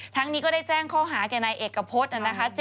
ทั้งนี้ก็ได้แจ้งข้อหาแก่นายเอกกระพฤณ์นะนะคะ